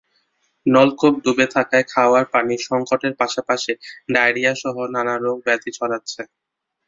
নলকূপ ডুবে থাকায় খাওয়ার পানির সংকটের পাশাপাশি ডায়রিয়াসহ নানা রোগব্যাধি ছড়াচ্ছে।